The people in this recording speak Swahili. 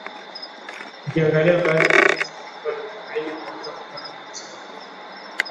ikiangalia Bahari la Pasifiki Wanatumaini kuanza kupanda mwanzoni